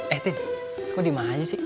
eh tini kok dimana aja sih